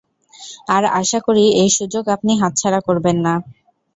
আর আশা করি এই সুযোগ আপনি হাতছাড়া করবেন না।